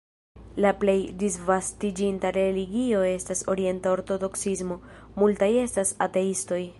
La plej disvastiĝinta religio estas orienta ortodoksismo, multaj estas ateistoj.